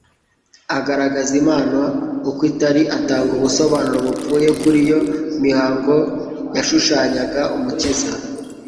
Agaragaza Imana uko itari, atanga ubusobanuro bupfuye kuri iyo mihango yashushanyaga Umukiza.